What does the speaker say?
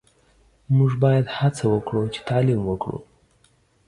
موژ باید هڅه وکړو چی تعلیم وکړو